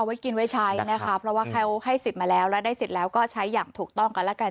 ไว้กินไว้ใช้นะคะเพราะว่าเขาให้สิทธิ์มาแล้วแล้วได้สิทธิ์แล้วก็ใช้อย่างถูกต้องกันแล้วกัน